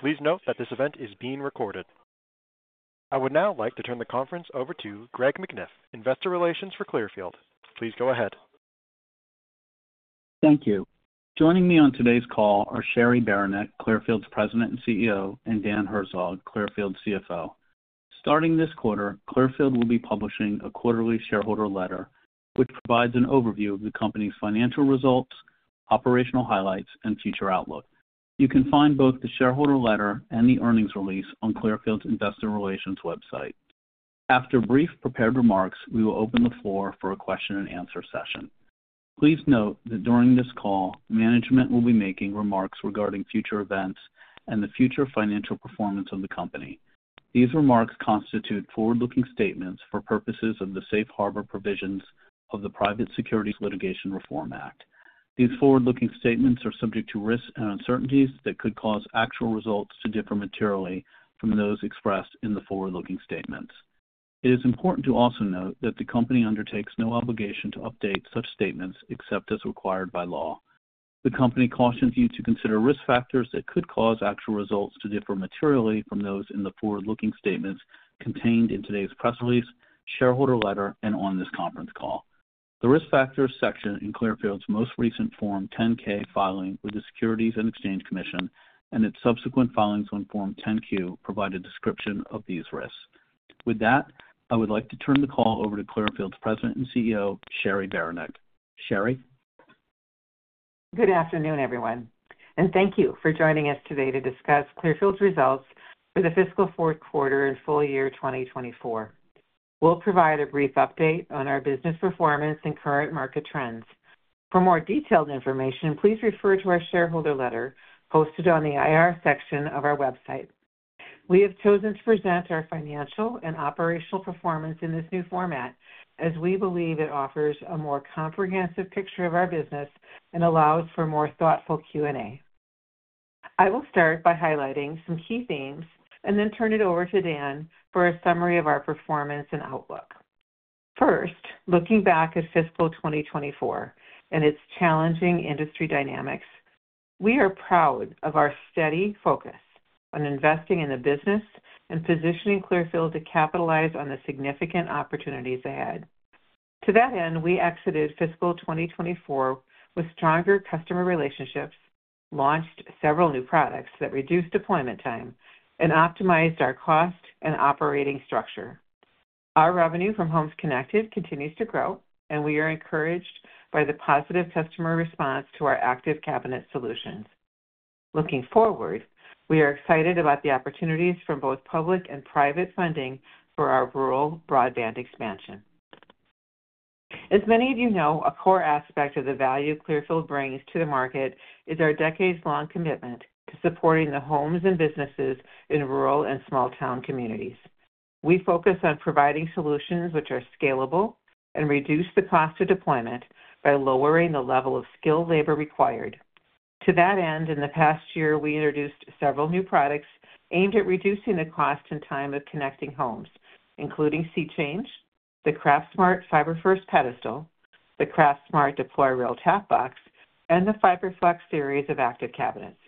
Please note that this event is being recorded. I would now like to turn the conference over to Greg McNiff, Investor Relations for Clearfield. Please go ahead. Thank you. Joining me on today's call are Cheri Beranek, Clearfield's President and CEO, and Dan Herzog, Clearfield's CFO. Starting this quarter, Clearfield will be publishing a quarterly shareholder letter, which provides an overview of the company's financial results, operational highlights, and future outlook. You can find both the shareholder letter and the earnings release on Clearfield's Investor Relations website. After brief prepared remarks, we will open the floor for a question-and-answer session. Please note that during this call, management will be making remarks regarding future events and the future financial performance of the company. These remarks constitute forward-looking statements for purposes of the safe harbor provisions of the Private Securities Litigation Reform Act. These forward-looking statements are subject to risks and uncertainties that could cause actual results to differ materially from those expressed in the forward-looking statements. It is important to also note that the company undertakes no obligation to update such statements except as required by law. The company cautions you to consider risk factors that could cause actual results to differ materially from those in the forward-looking statements contained in today's press release, shareholder letter, and on this conference call. The risk factors section in Clearfield's most recent Form 10-K filing with the Securities and Exchange Commission and its subsequent filings on Form 10-Q provide a description of these risks. With that, I would like to turn the call over to Clearfield's President and CEO, Cheri Beranek. Cheri? Good afternoon, everyone, and thank you for joining us today to discuss Clearfield's results for the Fiscal Fourth Quarter and Full Year 2024. We'll provide a brief update on our business performance and current market trends. For more detailed information, please refer to our shareholder letter posted on the IR section of our website. We have chosen to present our financial and operational performance in this new format as we believe it offers a more comprehensive picture of our business and allows for more thoughtful Q&A. I will start by highlighting some key themes and then turn it over to Dan for a summary of our performance and outlook. First, looking back at fiscal 2024 and its challenging industry dynamics, we are proud of our steady focus on investing in the business and positioning Clearfield to capitalize on the significant opportunities ahead. To that end, we exited fiscal 2024 with stronger customer relationships, launched several new products that reduced deployment time, and optimized our cost and operating structure. Our revenue from Homes Connected continues to grow, and we are encouraged by the positive customer response to our active cabinet solutions. Looking forward, we are excited about the opportunities from both public and private funding for our rural broadband expansion. As many of you know, a core aspect of the value Clearfield brings to the market is our decades-long commitment to supporting the homes and businesses in rural and small-town communities. We focus on providing solutions which are scalable and reduce the cost of deployment by lowering the level of skilled labor required. To that end, in the past year, we introduced several new products aimed at reducing the cost and time of connecting homes, including SeeChange, the CraftSmart FiberFirst Pedestal, the CraftSmart DeployReel Tapbox, and the FiberFlex series of active cabinets.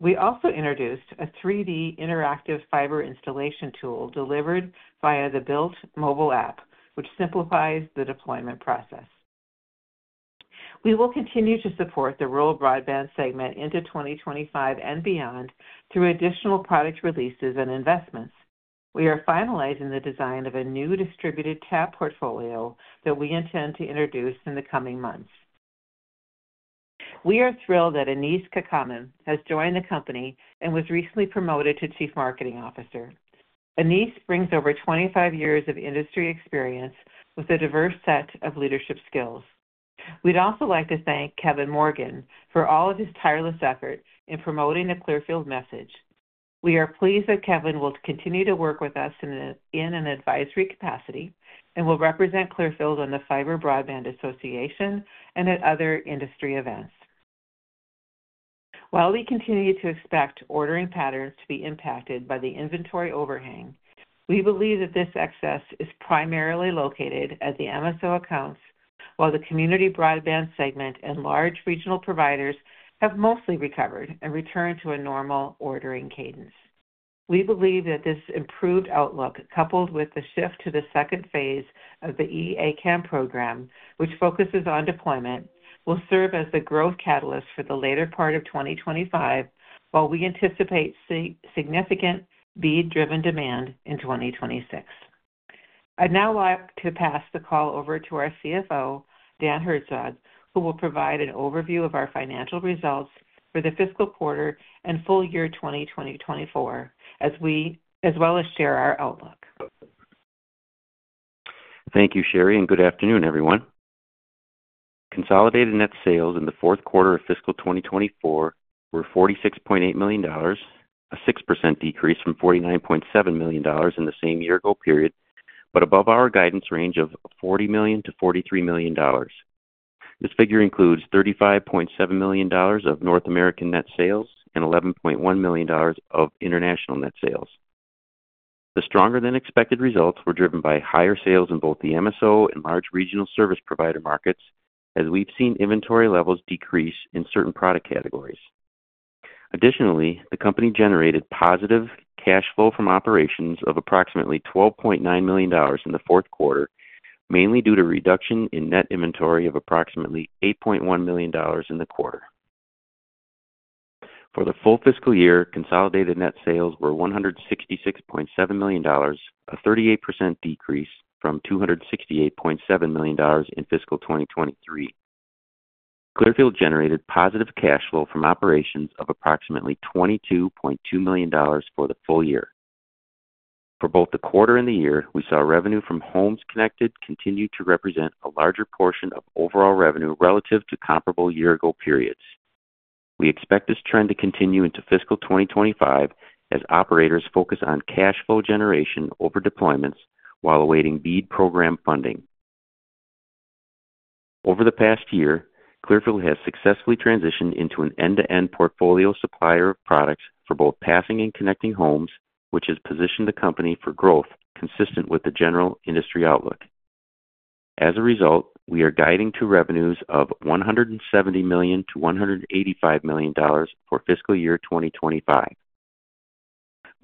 We also introduced a 3D interactive fiber installation tool delivered via the BILT mobile app, which simplifies the deployment process. We will continue to support the rural broadband segment into 2025 and beyond through additional product releases and investments. We are finalizing the design of a new distributed tap portfolio that we intend to introduce in the coming months. We are thrilled that Ines Kamman has joined the company and was recently promoted to Chief Marketing Officer. Annis brings over 25 years of industry experience with a diverse set of leadership skills. We'd also like to thank Kevin Morgan for all of his tireless effort in promoting the Clearfield message. We are pleased that Kevin will continue to work with us in an advisory capacity and will represent Clearfield on the Fiber Broadband Association and at other industry events. While we continue to expect ordering patterns to be impacted by the inventory overhang, we believe that this excess is primarily located at the MSO accounts, while the community broadband segment and large regional providers have mostly recovered and returned to a normal ordering cadence. We believe that this improved outlook, coupled with the shift to the second phase of the E-ACAM program, which focuses on deployment, will serve as the growth catalyst for the later part of 2025, while we anticipate significant BEAD-driven demand in 2026. I'd now like to pass the call over to our CFO, Dan Herzog, who will provide an overview of our financial results for the fiscal quarter and full year 2024, as well as share our outlook. Thank you, Cheri, and good afternoon, everyone. Consolidated net sales in the fourth quarter of fiscal 2024 were $46.8 million, a 6% decrease from $49.7 million in the same year-ago period, but above our guidance range of $40 million-$43 million. This figure includes $35.7 million of North American net sales and $11.1 million of international net sales. The stronger-than-expected results were driven by higher sales in both the MSO and large regional service provider markets, as we've seen inventory levels decrease in certain product categories. Additionally, the company generated positive cash flow from operations of approximately $12.9 million in the fourth quarter, mainly due to a reduction in net inventory of approximately $8.1 million in the quarter. For the full fiscal year, consolidated net sales were $166.7 million, a 38% decrease from $268.7 million in fiscal 2023. Clearfield generated positive cash flow from operations of approximately $22.2 million for the full year. For both the quarter and the year, we saw revenue from Homes Connected continue to represent a larger portion of overall revenue relative to comparable year-ago periods. We expect this trend to continue into fiscal 2025 as operators focus on cash flow generation over deployments while awaiting BEAD program funding. Over the past year, Clearfield has successfully transitioned into an end-to-end portfolio supplier of products for both passing and connecting homes, which has positioned the company for growth consistent with the general industry outlook. As a result, we are guiding to revenues of $170 million-$185 million for fiscal year 2025.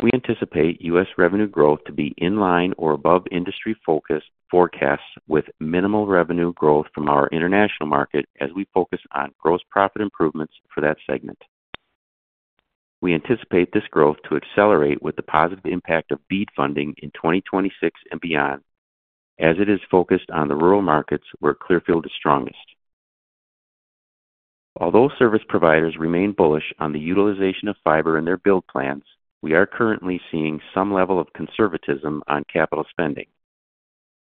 We anticipate U.S. revenue growth to be in-line or above industry focus forecasts, with minimal revenue growth from our international market as we focus on gross profit improvements for that segment. We anticipate this growth to accelerate with the positive impact of BEAD funding in 2026 and beyond, as it is focused on the rural markets where Clearfield is strongest. Although service providers remain bullish on the utilization of fiber in their build plans, we are currently seeing some level of conservatism on capital spending.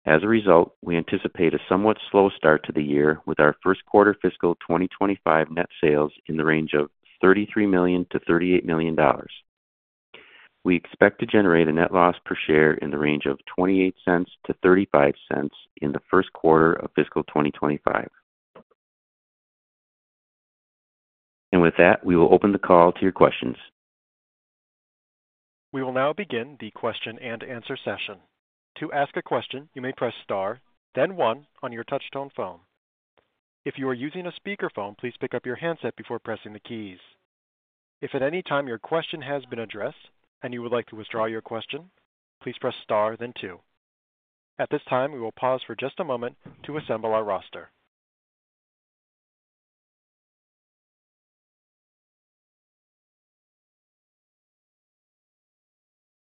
As a result, we anticipate a somewhat slow start to the year with our first quarter fiscal 2025 net sales in the range of $33-$38 million. We expect to generate a net loss per share in the range of $0.28-$0.35 in the first quarter of fiscal 2025, and with that, we will open the call to your questions. We will now begin the question and answer session. To ask a question, you may press star, then one on your touch-tone phone. If you are using a speakerphone, please pick up your handset before pressing the keys. If at any time your question has been addressed and you would like to withdraw your question, please press star, then two. At this time, we will pause for just a moment to assemble our roster.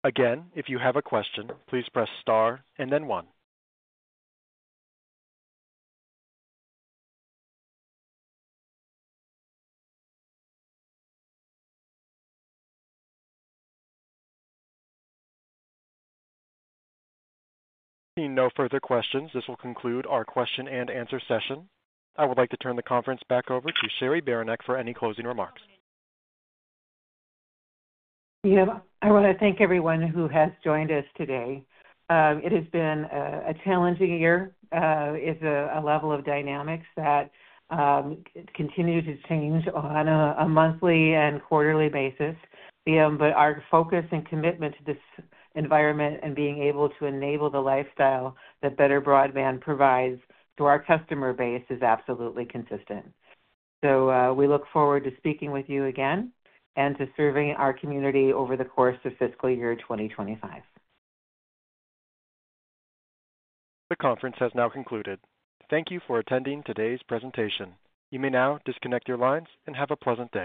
Again, if you have a question, please press star and then one. Seeing no further questions, this will conclude our question and answer session. I would like to turn the conference back over to Cheri Beranek for any closing remarks. I want to thank everyone who has joined us today. It has been a challenging year with a level of dynamics that continue to change on a monthly and quarterly basis, but our focus and commitment to this environment and being able to enable the lifestyle that better broadband provides to our customer base is absolutely consistent, so we look forward to speaking with you again and to serving our community over the course of fiscal year 2025. The conference has now concluded. Thank you for attending today's presentation. You may now disconnect your lines and have a pleasant day.